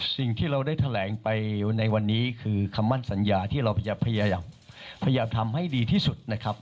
สิ่งที่เราได้แถลงไปในวันนี้คือคำมั่นสัญญาที่เราพยายามทำให้ดีที่สุดนะครับ